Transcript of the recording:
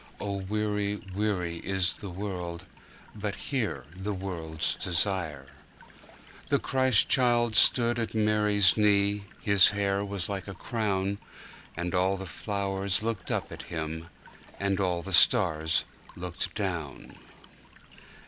(O weary, weary is the world, But here the world's desire.)4. The Christ child stood at Mary's knee, His hair was like a crown. And all the flowers looked up at Him, And all the stars looked down.